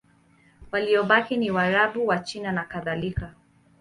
Waliobaki ni Waarabu, Wachina nakadhalika.